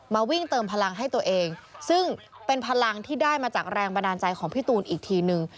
มาวิ่งเติมพลังให้ตัวเองซึ่งเป็นพลังที่ได้มาจากแรงบันดาลใจของพี่ตูนอีกทีนึง